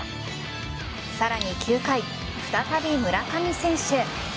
さらに９回再び村上選手。